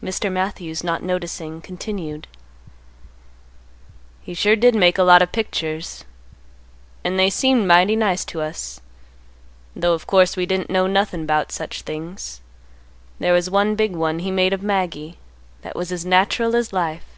Mr. Matthews, not noticing, continued: "He sure did make a lot of pictures and they seemed mighty nice to us, 'though of course we didn't know nothin' about such things. There was one big one he made of Maggie that was as natural as life.